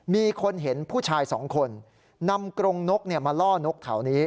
มีคนเห็นผู้ชายสองคนนำกรงนกมาล่อนกแถวนี้